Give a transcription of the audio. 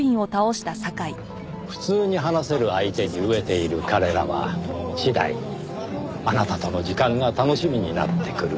普通に話せる相手に飢えている彼らは次第にあなたとの時間が楽しみになってくる。